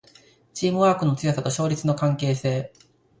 チームワークの強さと勝率の関係性